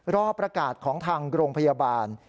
รอประกาศของทางโรงพยาบาล